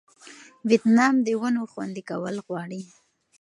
ویتنام د ونو خوندي کول غواړي.